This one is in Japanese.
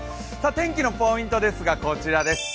天気のポイントですが、こちらです。